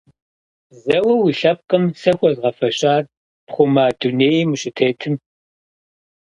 Бзэуэ уи лъэпкъым сэ хуэзгъэфэщар пхъума дунейм ущытетым?